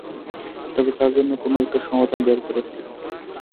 তবে, তার জন্য কোনো একটা সমাধান বের করে ফেলবো।